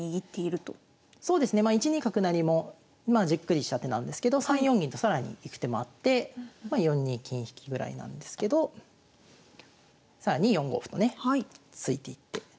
そうですねまあ１二角成もまあじっくりした手なんですけど３四銀と更に行く手もあってま４二金引ぐらいなんですけど更に４五歩とね突いていって。